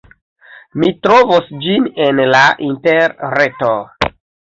Mi trovos ĝin en la Interreto.